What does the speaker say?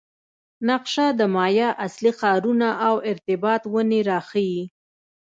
نقشه د مایا اصلي ښارونه او ارتباط ونې راښيي